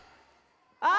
あ！